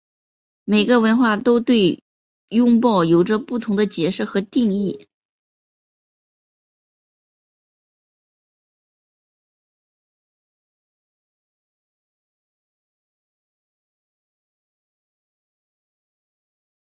每个文化都对拥抱有着不同的解释和定义。